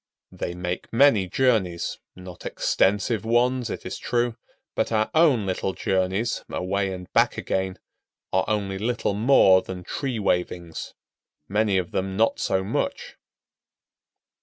They make many journeys, not extensive ones, it is true; but our own little journeys, away and back again, are only little more than tree wavings—many of them not so much.